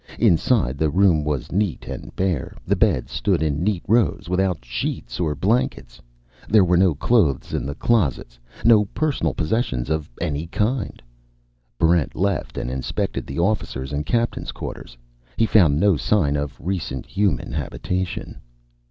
Inside, the room was neat and bare. The beds stood in neat rows, without sheets or blankets. There were no clothes in the closets, no personal possessions of any kind. Barrent left and inspected the officers' and captain's quarters. He found no sign of recent human habitation.